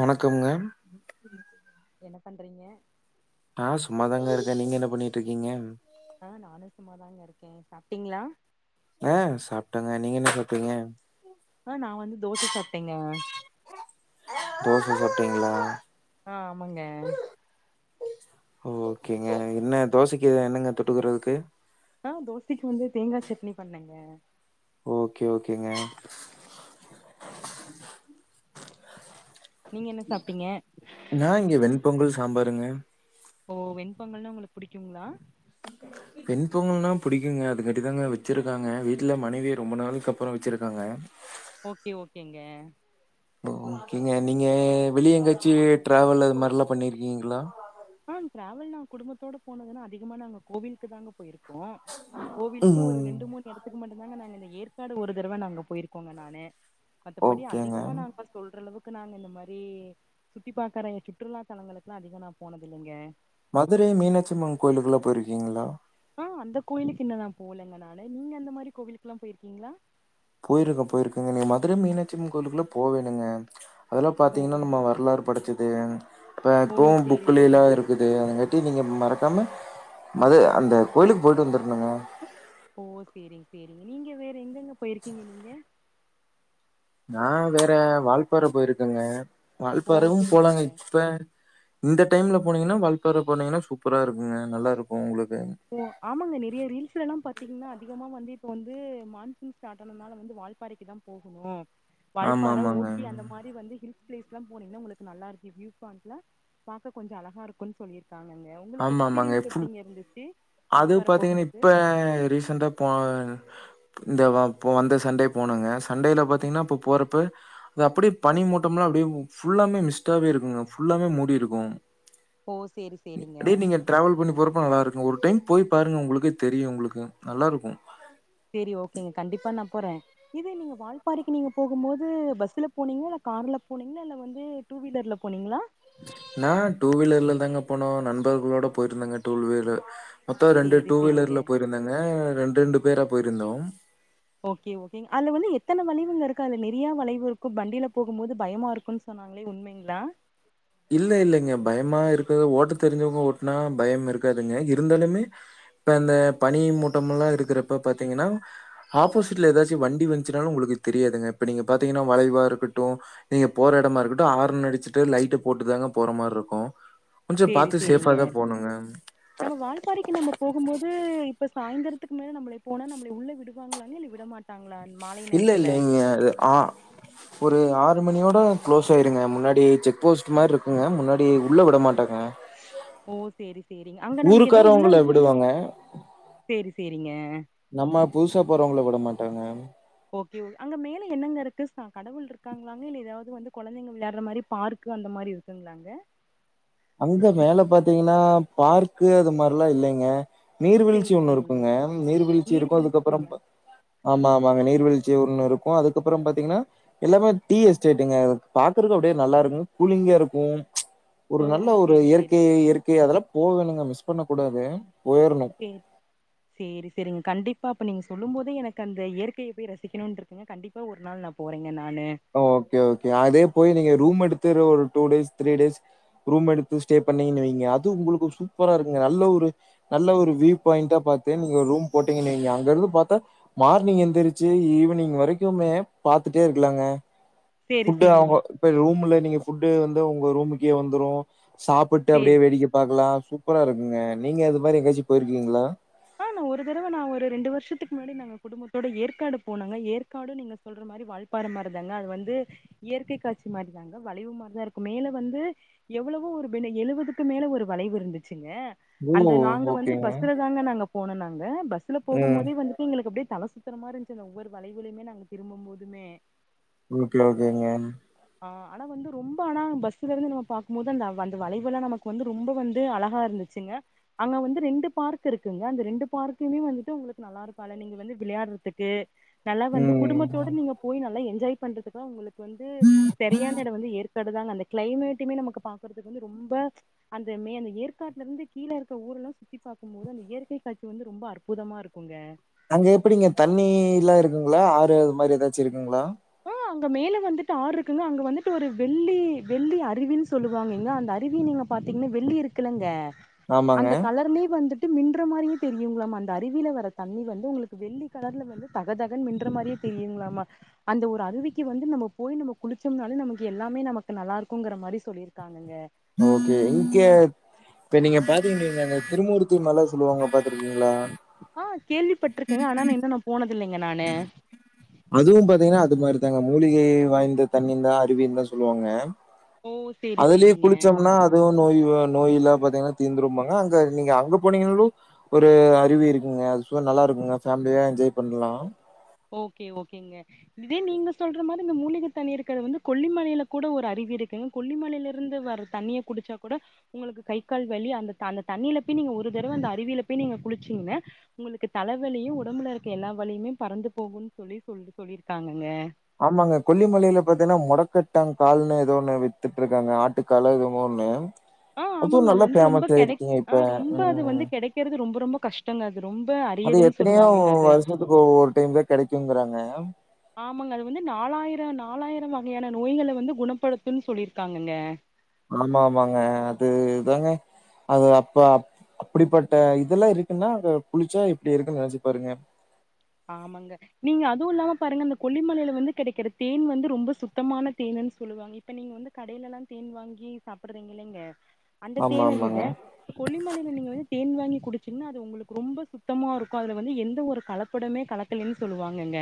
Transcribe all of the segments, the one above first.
வணக்கம்ங்க என்ன பண்றீங்க. ஆஹ் சும்மாதாங்க இருக்கேன் நீங்க என்ன பண்ணிட்டு இருக்கீங்க. ஆஹ் நானும் சும்மாதாங்க இருக்கேன் சாப்பிட்டீங்களா. அ சாப்பிட்டாங்க நீங்க என்ன சாப்பிட்டீங்க ஆ நான் வந்து தோசை சாப்பிட்டேங்க. தோசை சாப்பிட்டீங்களா. ஆ ஆமாங்க. ஓ ஓகேங்க என்ன தோசைக்கு என்னங்க தொட்டுக்குறதுக்கு ஆ தோசைக்கு வந்து தேங்காய் சட்னி பண்ணேங்க. ஓகே ஓகேங்க. நீங்க என்ன சாப்ட்டீங்க நான இங்க வெண்பொங்கல் சாப் சாம்பாருங்க. ஓ வெண் பொங்கல்னா உங்களுக்கு பிடிக்குங்களா வெண்பொங்கல்ன்னா பிடிக்குங்க அதுக்காட்டி தாங்க வச்சிருக்காங்க வீட்டுல மனைவி ரொம்ப நாளைக்கு அப்புறம் வச்சிருக்காங்க. ஓகே ஓகேங்க. ஓகேங்க நீங்க வெளிய எங்காச்சி டிராவல் அது மாதிரி எல்லாம் பண்ணிருக்கீங்களா ஆ ட்ராவல் நான் குடும்பத்தோட போனதுன்னா அதிகமா நாங்க கோவிலுக்கு தாங்க போயிருக்கோம். ருக்கும் கோவிலுக்கு ஒரு ம் ரெண்டு மூணு இடத்துக்கு மட்டும்தாங்க நாங்க இந்த ஏற்காடு ஒரு தடவை நாங்க போயிருக்கோங்க நானு மத்தபடி ஓகேங்க அதிகமா நாங்க சொல்ற அளவுக்கு க்கு நாங்க இந்த மாரி சுத்தி பாக்குற சுற்றுலா தலங்களுக்கெல்லா அதிக போனதில்லிங்க மதுரை மீனாட்சி அம்மன் கோயிலுக்குல்ல போயிருக்கீங்களா ஆஹ் அந்த கோவிலுக்கு இன்னு நா போனதுலிலங்க நானு நீங்க அந்த மாரி கோவிலுக்கு எல்லா போயிருக்கீங்களா போயிருக்க போயிருக்கங்க நீங்க மதுரை மீனாட்சி அம்மன் கோவிலுக்குள்ள போவேணுங்க அதெல்லா ஓ பாத்தீங்கன்னா நம்ம வரலாறு படச்சது து இப்ப ஓ இப்போ சேரி புக்குலில்லா சேரிங்க இருக்குது நீங்க மறக்காம மது அந்த கோயிலுக்கு போயிட்டு வந்துருனுனங்க ஓ சேரிங்க சேரிங்க நீங்க வேற எங்கெங்க போயிருக்கீங்க நீங்க நா வேற வால் ப்பாற போயிருக்கங்க வால் ஓ பாறவு சேரிங்க போலாங்க இப்ப இந்த டைம்ல போனீங்கன்னா வால்பாறை போனீங்கன்னா சூப்பரா இருக்குங்க நல்லா இருக்கு உங்குளுக்கு ஓ ஆமாங்க நெறைய ரீல்ஸ்ல எல்லா பாத்தீங்கன்னா அதிகமா வந்து இப்ப வந்து மான்சூன் ஸ்டார்ட் ஆனதுனால வந்து வால் பாறைக்கு தா போகணு வால்பாற ஆமாமாங்க. ஊட்டி அந்த மாரி வந்து ஹில் பிளேஸ்லாம போனீங்கா உங்களுக்கு நல்லா இருக்குயூாயண்ட்ல பார்க கொஞ்சோ அழக இருக்குனு சொல்லிருக்கு காங்கங்க உங்களுக்கு ஆமாமாங்க. எக்ஸ்பீரியன்ஸ் ஃபுல் எப்டிங்க இருந்துச்சு அது வால்பாற பாத்தீங்கன்னா போகும்போது இப்ப ரீசன்டா போ இந்த வந்த சண்டே போனங்க சண்டேலே பாத்தீங்கன்னா அப்ப போறப்ப அது அப்டியே பனி மூட்டோம்லா அப்டியே ஃபுல்லாமே மிஸ்டாவே இருக்குங்க ஃபுல்லாமே மூடிருக்கு ஓ சேரி சேரிங்க அதே நீங்க டிரவல் பண்ணி போறப்ப நல்லா இருக்குங்க ஒரு டைம் போய் பாருங்க உங்களுக்கே தெரியு உங்களுக்கு நல்லா இருக்கு சேரி ஓகேங்க கண்டிப்பா நா போறே இது நீங்க வால்பாறைக்கு நீங்க போகும் போது பஸ்ல போனீங்களா இல்ல கார்ல போனீங்களா இல்ல வந்து டூ வீலர்ல போனீங்களா நா டூவீலர்ல தாங்க போனோ நண்பர்களோட போயிருந்தாங்க டூ வீலர்ல மொத்தோ ரெண்டு சேரி டூ சேரிங்க வீலர்ல போயிருந்தங்க ரெண்டு ரெண்டு பேரு அப்போ இருந்தோம் ஓகே ஓகே அதுல வந்து எத்தனை வளைவுங்க இருக்கு அது நிறையா வளைவு இருக்கு வண்டியில போகும் போது பயமா இருக்கும்ன்னு சொன்னாங்களே உண்மைங்களா இல்ல இங்க பயமா இருக்கது ஓட்ட தெரிஞ்சவங்க ஓட்டுனா பயம் இருக்காதுங்க இருந்தாலுமே இப்ப இந்தந்த பனி மூட்டம் எல்லா இருக்கிறப்ப பாத்தீங்கன்னா ஆப்போசிட்ல எதாச்சும் வண்டி வச்சுனாலு உங்களுக்கு தெரியாதுங்க இப்ப நீங்க பாத்தீங்கன்னா வளைவா இருக்கட்டு நீங்க போரா எடமா இருக்கட்டும் ஆறன் அடுச்சிட்டு லைட்டு போட்டு தாங்க போற மாரி இருக்கு சேரி சேரிங்க நம்ம வால்பாறைக்கு நம்ம போகும்போது இப்ப சாயந்தத்துக்கு மேல நம்மளை போனா நம்மளை உள்ள விடுவாங்களான்னு இல்ல விடமாட்டாங்களா இல்ல இல்லங்க ஆ ஒரு ஆறு ஒரு ஆறு மணியோட க்ளோஸ் ஆயிருங்க முன்னாடி செக் போஸ்ட் மாரி இருக்குங்க முன்னாடி உள்ள விட மாட்டாங்க ஓ சேரி சேரிங்க அங்க நமக்கு எதா உள்ள ஊருக்காரவங்கள விடுவாங்க. சேரி சேரிங்க நம்ம புதுசா போறவங்கள விட மாட்டாங்க அங்க மேல என்னங்க இருக்கு ச கடவுள் இருக்காங்களாங்க இல்ல ஏதாவது வந்து குழந்தைங்க விளாடுற மாரி பார்க்கு அந்த மாரி இருக்குங்களாங்க அங்க மேல பாத்தீங்கன்னா பார்க்கு அது மாரில்லா இல்லைங்க நீர்வீழ்ச்சி சேரி ஒண்ணு சேரிங்க இருக்குங்க நீர்வீழ்ச்சி இருக்கு அதுக்கப்புறோ நீர்வீழ்ச்சிங்களா ஆமா வாங்க நீர்வீழ்ச்சி ஒண்ணு இருக்கு அதுக்கப்புறம் பாத்தீங்கன்னா எல்லாமே டீ எஸ்டேட்டுங்க பாக்குறக்கு அப்படியே நல்லா இருக்கு கூலிங்கா இருக்கும் ஒரு ஓ நல்ல ஒரு சேரி இயற்கை சேரிங்க இயற்கை அதுலா போவேல்லங்க மிஸ் பண்ண கூடாது செரி சேரி சேரிங் கண்டிப் பா அப்ப நீங்க சொல்லும் போதே எனக்கு அந்த இயற்கைய போய் ரசிக்கணுனு இருக்குங்க கண்டிப்பா ஒரு நாள் நா போறே ஓகே ஓகே அதே போய் நீங்க ரூம் எடுத்து ஒரு two days three days room எடுத்து ஸ்டே பண்ணீங்கனு வைங்க அது உங்களுக்கு சூப்பரா இருக்குங்க நல்ல ஒரு நல்ல ஒரு வியூ பாயி்ன்டா பாத்து நீங்க ஒரு ரூம் போட்டீங்கனு வைங்க அங்க இருந்து பாத்தா மார்னிங் எந்திரிச்சி ஈவினிங் வரைக்குமே பாத்துட்டே இருக்கலாங்க சேரி ஃபுட்டு சேரிங்க அவங்க இப்ப ரூம்ல நீங்க ஃபுட்டு வந்து உங்க ரூமுக்கே வந்துரு சாப்பிட்டு சேரி அப்டியே வேடிக்க பாக்கலா சூப்பரா இருக்குங்க நீங்க அது மாரி எங்கயாச்சு போயிருக்கீங்களா ஆ நா ஒரு தடவ நா ஒரு ரெண்டு வருஷத்துக்கு முன்னாடி நாங்க குடும்பத்தோட ஏற்காடு போனங்க ஏற்காடு நீங்க சொல்ற மாரி வால்பாற மாரிதாங்க அது வந்து இயற்கைக்காட்சி மாரிதாங்க வளைவு மாரிதா இருக்கு மேல வந்து எவ்வளவோ ஒரு எழுவதுக்கு மேல ஒரு வளைவு இருந்துச்சு ங்க ஓ! அந்த நாங்க வந்து ஓகேங்க. பஸ்ல தாங்க நாங்க போனோ நாங்க பஸ்ல போகும் ம். போதே வந்துட்டு எங்களுக்கு அப்டியே தல சுத்ரமாரி இருந்துசுங்க ஒவ்வொரு வளைவுலயுமே நாங்க திரும்பும் போதுமே ஓகே ஓகேங்க ஆ ஆனா வந்து ரொம்ப ஆனா பஸ்ல இருந்து நம்ம பாக்குபோது அந்த அந்த வளைவுலா நமக்கு வந்து ரொம்ப வந்து அழகா இருந்துச்சுங்க அங்க வந்து ரெண்டு பார்க் இருக்குங் க அந்த ரெண்டு பார்க்குமே வந்துட்டு உங்களுக்கு நல்லா இருக்கால நீங்க வந்து விளையாடுறதுக்கு நல்லா வந்து ம். குடும்பத்தோடு நீங்க போய் நல்லா என் ஜாய் பண்றதுக்கா உங்களுக் கு வந்து சரியான எடோ வந்து ஏற் காடுதாங்க அந்த க்ளைமேட்டுமே நமக்கு பாக்குறதுக்கு வந்து ரொம்ப அந்த மே அந்த ஏற்காட்ல இருந்து கீழ இருக்க ஊரெல்லா சுத்தி பாக்கும்போது அந்த இயற் கை காட்சி வந்து ரொம்ப அற்புதமா இருக்குங்க அங்க எப்டிங்க தண்ணில்லா இருக்குங்களா ஆறு அது மாரி ஏதாச்சு இருக்குங்களா ஆ அங்க மேல வந்துட்டு ஆறு இருக்குங்க அங்க வந்துட்டு ஒரு வெள்ளி வெள்ளி அருவின் சொல்லுவாங்கங்க அந்த அருவிய நீங்க பாத்தீங்னா வெள்ளி இருக்குலங்க ஆமாங்க. அந்த கலர்மே வந்துட் ட்டு மின்ற மாரியே தெரியுங்களாமா அந்த அருவியில வர தண்ணி வந்து உங்களுக்கு வெள்ளி கலர்ல வந்து தகதகன் மின்ற மாரியே தெரியுங்களாமா அந்த ஒரு அருவிக்கு வந்து நம்ம போய் நம்ம குளிச்சோம்னால நமக்கு எல்லாமே நமக்கு நல்லா இருக்குங்குற மாரி சொல்லிருக்காங்கங்க ஓகே இங்க இப்ப நீங்க பாத்தீங்கீங்க திருமூர்த்தி மல சொல்லுவாங்க பாத் ஆ கேள்விப்பட்ருக்கேங்க ஆனா நா இன்ன நா போனது இல்லைங்க நானு அதுவு பாத்தீங்கனா அது மாரி தாங்க மூலிகை வாய்ந்த தண்ணின்தா அருவின் தா சொல்லுவாங்க ஓ சேரி அதுலயே சேரிங்க குளிச்சோம்னா அது நோய் நோய்ல்லா பாத்தீங்கனா தீந்துரும்பாங்க அங்க நீங்க அங்க போனீங்னாலு ஒரு அருவி இருக்குங்க அது சு நல்லா இருக்குங்க ஃபேம்லியா என்ஜாய் பண்லா ஓகே ஓகேங்க இதே நீங்க சொல்ற மாரி இந்த மூலிக தண்ணீர்கள் வந்து கொல்லிமலேல கூட ஒரு அருவி இருக்குங்க கொல்லிமலேல இருந்து வர தண்ணிய குடுச்சா கூட உங்களுக்கு கை கால் வலி அந்த அந்த தண்ணில போய் நீங்க ஒரு தடவ அந்த அருவில போய் நீங்க குளிச்சீங்ன உங்களுக்கு தலவலியு உடம்புல இருக்கற எல்லா வலியுமே பறந்து போகும்ன் சொல்லி சொல்லி சொல்லிருக்காங்கங்க ஆமாங்க கொல்லிமலேல பாத்தீங்னா மொடக்கத்தான் கால்னு ஏதோ ஒண்ணு வித்துட்டு இருக்காங்க ஆட்டுக்காலோ எதுவோ ஒண்ணு ஆஹ் ஆமாங்க அதுவும் அது நல்லா வந்து ரொம்ப ஃபேமஸ் கெடை ஆயிருச்சுங்க இப்ப. ஆஹ் ரொம்ப அது ம். வந்து கெடைக்கறது ரொம்ப ரொம்ப கஷ்டங்க ரொம்ப அது அரியதுன்னு எத்தனையோ சொல்லுவாங்கங்க அது. வருஷத்துக்கு ஒரு டைம் தான் கெடைக்குங்கறாங்க மேம் ஆமாங்க அது வந்து நாலாயிரம் நாலாயிரம் வகையான நோய்களை வந்து குணப்படுத்தும்னு சொல்லிருக்காங்கங்க ஆமா ஆமாங்க அதுதாங்க அது அப்ப அப்டிப்பட்ட இதெல்லாம் இருக்குன்னா அது குளுச்சா எப்டி இருக்குன்னு நெனைச்சு பாருங்க ஆமாங்க நீங்க அதுவும் இல்லாம பாருங்க அந்த கொல்லிமலேல வந்து கெடக்கிற தேன் வந்து ரொம்ப சுத்தமான தேனுன்னு சொல்லுவாங்க இப்ப நீங்க வந்து கடேலல்லாம் தேன் வாங்கி சாப்டுறீங்க இல்லைங்க அந்த ஆமா தேனை ஆமாங்க. விட கொல்லிமலேல நீங்க வந்து தேன் வாங்கி குடிச்சிங்ன்னா அது உங்களுக்கு ரொம்ப சுத்தமா இருக்கும் அதுல வந்து எந்த ஒரு கல ப்படமே கலக்கலேனு சொல்லுவாங்கங்க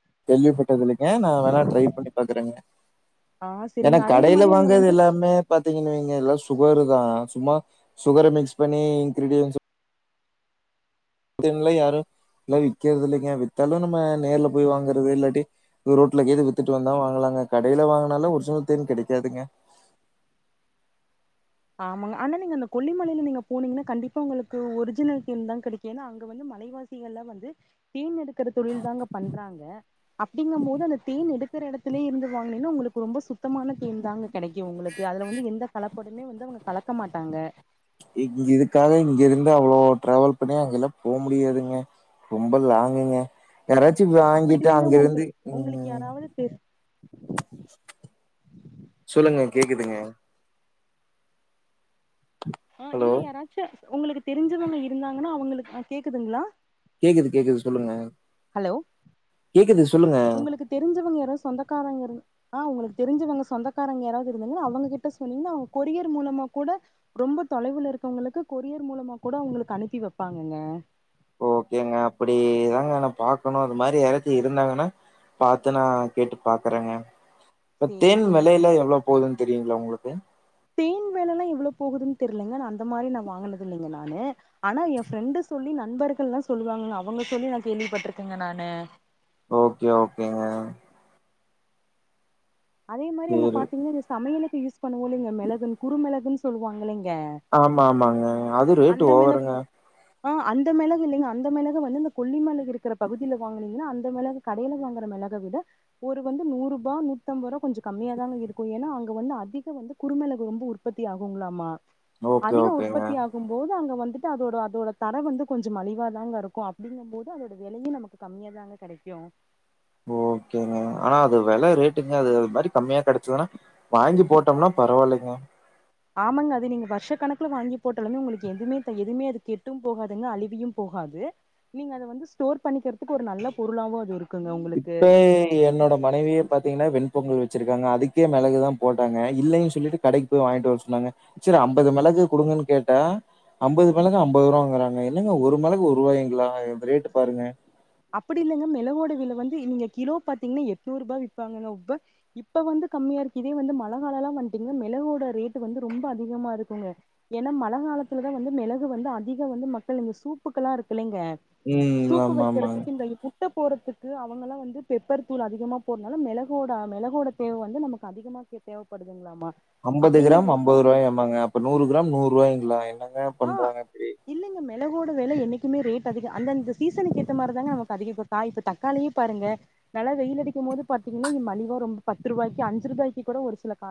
[unintelligible] [unintelligible] நா வேனா ட்ரை பண்ணி பாக்குறேங்க ஆ ஏன்னா சரிங்க அதே கடேல மாரி அங்க வாங்கறது வந்து எல்லாமே பாத்தீங்கன் வைங்க எல்லா சு சுகரே தான் சும்மா சுகர மிக்ஸ் பண்ணி இன்கிரீடியன்ஸ் தேன்லாம் யாரும் எல்லாம் விக்கிறது இல்லைங்க வித்தாலும் நம்ம நேர்ல போய் வாங்குறது இல்லாட்டி ரோட்ல கேது வித்துட்டு வந்தா வாங்கலாங்க கடேல வாங்குனாலும் ஒரிஜினல் தேன் கெடைக்காதுங்க ஆமாங்க ஆனா நீங்க அந்த கொல்லிமலேல நீங்க போனீங்கன்னா கண்டிப்பா உங்களுக்கு ஒரிஜினல் தேன் தான் கெடைக்கு ஏன்னா அங்க வந்து மலைவாசிகள்லாம் வந்து தேன் எடுக்கிற தொழில் தாங்க பண்றாங்க அப்டிங்கம் போது அந்த தேன் எடுக்கிற இடத்துலயே இருந்து வாங்குனீங்னா உங்களுக்கு ரொம்ப சுத்தமான தேன் தாங்க கெடைக்கும் உங்களுக்கு அதுல வந்து எந்த கலப்படமே வந்து கலக்க மாட்டாங்க இங்க இதுக்காக இங்க இருந்து அவ்ளோ டிராவல் பண்ணி அங்கல்லாம் போ முடியாதுங்க ரொம்ப லாங்குங்க யாராச்சி அப்டி வாங்கிட்டு இல்லைங்க அங்க உங்க இருந்து உங்களுக்கு உம் யாராவது தெ சொல்லுங்க கேக்குதுங்க ஆஹ் ஹலோ இல்ல யாராச்ச உங்களுக்கு தெரிஞ்சவங்க இருந்தாங்கன்னா அவுங்களுக்கு ஆஹ் கேக்குதுங்களா கேக்குது கேக்குது சொல்லுங்க ஹலோ கேக்குது சொல்லுங்க. உங்களுக்கு தெரிஞ்சவங்க யாரோ சொந்தக்காரங்க இரு ஆஹ் உங்களுக்கு தெரிஞ்சவங்க சொந்தக்காரங்க யாராவது இருந்தங்கன்னா அவங்ககிட்ட சொன்னீங்கன்னா அவங்க கொரியர் மூலமா கூட ரொம்ப தொலைவுல இருக்கவங்களுக்கு கொரியர் மூலமா கூட அவங்களுக்கு அனுப்பி வைப்பாங்கங்க ஓகேங்க அப்டிதாங்க நான் பாக்கணும் அது மாரி யாராச்சும் இருந்தாங்கன்னா பாத்து நான் கேட்டு பாக்குறேங்க இப்ப சேரி தேன் சேரிங்க வெலேலா எவ்ளோ போதுன்னு தெரியுங்களா உங்களுக்கு கு தேன் வெலேலா எவ்ளோ போகுதுன்னு தெர்லங்க நா அந்த மாரி நான் வாங்குனது இல்லங்க நானு ஆனா என் ஃப்ரெண்டு சொல்லி நண்பர்கள்ல்லாம் சொல்லுவாங்க அவங்க சொல்லி நான் கேள்விப்பட்ருக்கேங்க நானு ஓகே ஓகேங்க அதே மாரி அங்க சரி பாத்தீங்கன்னா இந்த சமையலுக் யூஸ் பண்ணுவோ இல்லங்க மெளகுனு குரு மெளகுன்னு சொல்லுவாங்கல்லைங் ஆமா ஆமாங்க அது ரேட்டு் ஓவருங்க ஆஹ் அந்த மெளகு இல்லைங்க அந்த மெளக வந்து இந்த கொல்லி மளகு இருக்கிற பகுதியில வாங்குனீங்கன்னா அந்த மெளகு கடையில வாங்குற மெளக விட ஒரு வந்து நூறூபா நூ த்தொம்ப ரூவா கொஞ்சொ கம்மியா தாங்க இருக்கு ஏனா அங்க வந்து அதிக வந்து குறுமெளகு ரொம்ப உற்பத்தி ஆகுங்களாமா ஓகே அதிக ஓகேங்க. உற்பத்தி ஆகும் போது அங்க வந்து ந்துட்டு அதோட அதோட தரொ வந்து கொஞ்சொ மலிவாதாங்க இருக்கு அப்படிங்கம் போது அதோட வெலையு நமக்கு கம்மியாதாங்க கெடைக்கு ஓகேங்க ஆனா அது வெல ரேட்டுங்க அது அது மாரி கம்மியா கெடைச்சதுன்னா வாங்கி போட்டோம்னா பரவால்லைங்க ஆமாங்க அது நீங்க வருஷ கணக்குல வாங்கி போட்டாலுமே உங்களுக்கு எதுவுமே த எதுவுமே அது கெட்டும் போகாதுங்க அழிவியும் போகாது நீங்க அத வந்து ஸ்டோர் பண்ணிக்கிறதுக்கு ஒரு நல்ல பொருளாவு அது இருக் இப்ப என்னோட மனைவியே பாத்தீங்கன்னா வெண்பொங்கல் வ ச்சிருக்காங்க அதுக்கே மெளகுதா போட்டாங்க இல்லைன்னு சொல்லிட்டு கடைக்கு போய் வாங்கிட்டு வர சொன்னாங்க சரி அம்பது மெளகு குடுங்கன்னு கேட்ட அம்பது மெளகு அம்பது ரூவாங்கறாங்க என்னங்க ஒரு மெளகு ஒரு ரூவாய்ங்களா ரேட்டு பாருங்க அப்படி இல்லங்க மெளகோட வில வந்து நீங்க கிலோ பாத்தீங்கன்னா எட்நூரூபா விப்பாங்கங்க உப்ப இப்ப வந்து கம்மியா இருக்கு இதே வந்து மழ காலொல்லா வந்துட்டீங்கன்னா மெளகோட ரேட் வந்து ரொம்ப அதிகமா இருக்குங்க ஏன்னா மழ காலத்துலதா வந்து மெளகு வந்து அதிகம் வந்து மக்கள் இந்த சூப்புக்கெல்லா இருக்குல்லைங்க உம் ஆமாம் க்கிறத்துக்கு இந்த இ குட்டப் போறதுக்கு அவங்களா வந்து பெப்பர் தூள் அதிகமாக போறனால மெளகோட மெளகோட தேவ வந்து நமக்கு அதிகமா க தேவப்படுதுங்களாமா அம்பது கிராம் அம்பது ரூவாயாமாங்க அப்ப நூறு கிராம் நூரூவாய்ங்களா எ ன்னங்க பண்றாங்க இப்டி வேல என்னைக்குமே ரேட் அதிக அந்த அந்த சீசனுக்கேத்த மாரிதாங்க நமக்கு அதிக இப்ப காய் இப்ப தக்காளியு பாருங்க நல்லா வெயில் அடிக்கும்போது பாத்திங்கன்னா இ மலிவா ரொம் பத்து ரூவாய்கு அஞ்சு ரூபாய்க்கு கூட ஒரு சில கா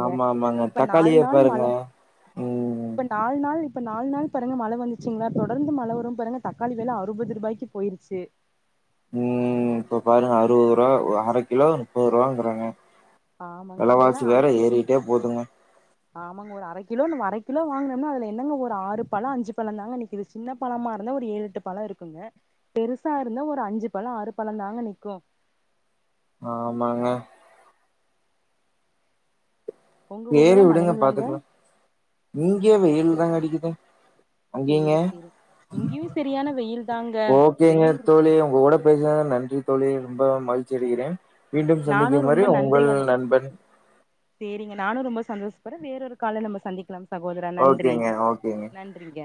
ஆமா ஆமாங்க தக்காளிய நாள் பாருங்க மழ உம் இப்ப நாலு நாள் இப்ப நால் நாள் பாருங்க மழ வந்துச்சுங்களா தொடர்ந்து மழ வரும் பாருங்க தக்காளி வெல அறுபது ரூபாய்க்கு போயிருச்சு உம் இப்ப பாருங்க அறுவரூவா ஒ அர கிலோ நுப்பரூவாங்கறாங்க ஆமாங்க இதெல்லா வெலவாசி அரை வேற ஏறிட்டே போதுங்க ஆமாங்க ஒரு அர கிலோ நம்ம அர கிலோ வாங்குனோம்னா அதுல என்னங்க ஒரு ஆறு பழம் அஞ்சு பழந்தாங்க நிக்குது சின்ன பழமா இருந்தா ஒரு ஏழெட்டு பழம் இருக்குங்க பெருசா இருந்தா ஒரு அஞ்சு பழம் ஆறு பழந்தாங்க நிக்கு ஆமாங்க உங்க ஊர்ல சேரி எல்லா விடுங்க மழைங்களாங்க பாத்துக்கலா இங்கே வெயில் தாங்க அடிக்குது அங்கெய்ங்க சேரி சேரி இங்கேயு சரியான வெயில் தாங்க ஓகேங்க வெயில் தோழி உங்க கூட பேசுனது நன்றி தோழி ரொம்ப மகிழ்ச்சியடைகிறேன் மீண்டும் நானு சந்திக்கும் வரை ரொம்ப உங்கள் நன்றிங்க நண்பன் சந்தோஷபடுற வேறொரு கால்ல நம்ம சந்திக்கலாம் சகோதரா நன்றி ஓகேங்க ஓகேங்க நன்றிங்க